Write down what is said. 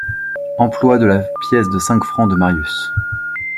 Emploi de la pièce de cinq francs de Marius